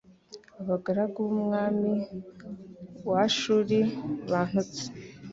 abagaragu b umwami wa ashuri bantutse